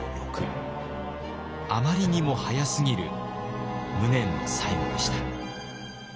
あまりにも早すぎる無念の最期でした。